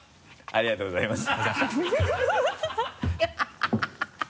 ありがとうございます。